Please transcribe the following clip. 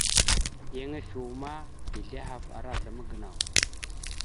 Yan ife uma, dezl ahaf ara azlam gənaw.